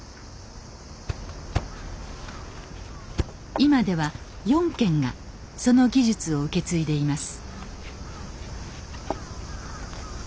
今では４軒がその技術を受け継いでいます。